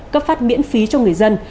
cấp phát miễn phí cho người dân